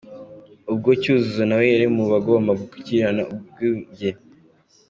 Ubwo Cyuzuzo na we yari mu bagombaga gukinira urwunge.